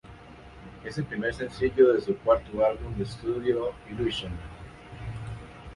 Es el primer sencillo de su cuarto álbum de estudio 'Ilusión'.